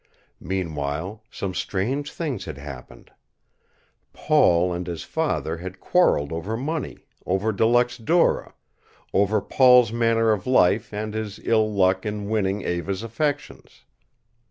Meanwhile some strange things had happened. Paul and his father had quarreled over money, over De Luxe Dora, over Paul's manner of life and his ill luck in winning Eva's affections.